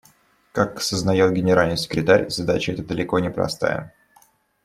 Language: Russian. Как сознает Генеральный секретарь, задача эта далеко не простая.